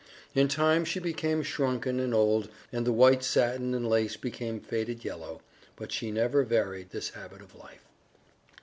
In time she became shrunken and old and the white satin and lace became faded yellow, but she never varied this habit of life.